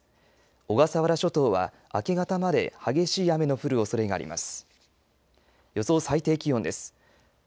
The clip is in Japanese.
小笠原諸島は明け方まで激しい雨の降るおそれがあります。